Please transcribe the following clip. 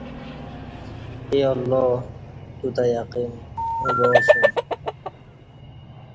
اے اللہ توتہ یقین اوں وا اسوم